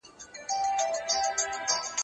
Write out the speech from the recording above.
زه د کتابتون د کار مرسته نه کوم،